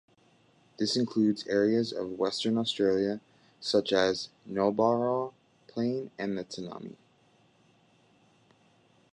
This includes areas of Western Australia such as the Nullarbor Plain and the Tanami.